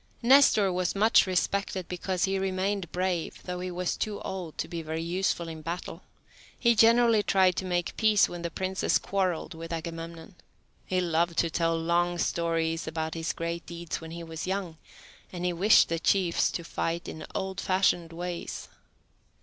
Nestor was much respected because he remained brave, though he was too old to be very useful in battle. He generally tried to make peace when the princes quarrelled with Agamemnon. He loved to tell long stories about his great deeds when he was young, and he wished the chiefs to fight in old fashioned ways.